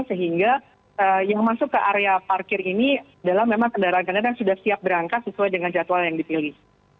sehingga yang masuk ke area parkir ini adalah memang kendaraan kendaraan yang sudah siap berangkat sesuai dengan jadwal yang dipilih